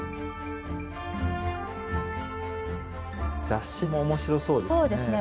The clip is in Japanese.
雑誌も面白そうですね。